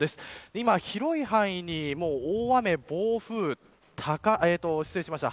今、広い範囲に大雨、暴風失礼しました。